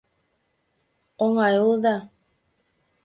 — Оҥай улыда.